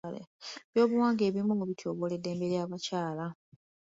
Eby'obuwangwa ebimu bityoboola eddembe ly'abakyala.